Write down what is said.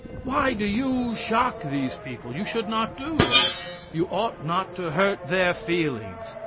Why do you shock these people? You should not do that; you ought not to hurt their feelings.